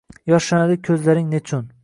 Yoshlanadi ko’zlaring nechun